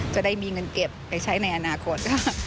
จะได้มีเงินเก็บไปใช้ในอนาคต